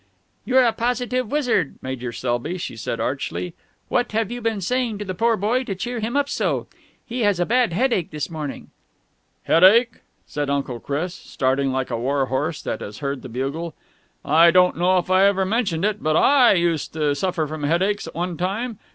"You are a positive wizard, Major Selby," she said archly. "What have you been saying to the poor boy to cheer him up so? He has a bad headache this morning." "Headache?" said Uncle Chris, starting like a war horse that has heard the bugle. "I don't know if I have ever mentioned it, but I used to suffer from headaches at one time.